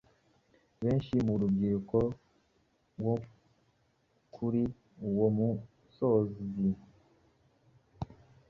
benshi mu rubyiruko bo kuri uwo musozi